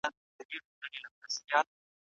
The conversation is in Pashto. د کرنې ځمکي شاړې نه پریښودل کېږي.